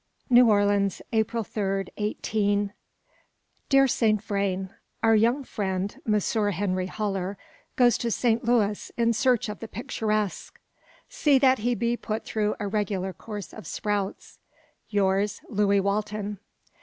"New Orleans, April 3rd, 18 "Dear Saint Vrain Our young friend, Monsieur Henry Haller, goes to Saint Louis in `search of the picturesque.' See that he be put through a `regular course of sprouts.' "Yours, "Luis Walton.